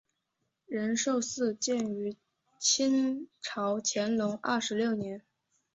仁寿寺建于清朝乾隆二十六年。